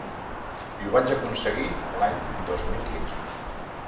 I ho vaig aconseguir l’any dos mil quinze.